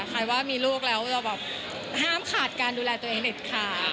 ใครว่ามีลูกแล้วจะแบบห้ามขาดการดูแลตัวเองเด็ดขาด